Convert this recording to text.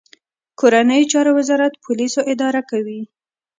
کورنیو چارو وزارت پولیس اداره کوي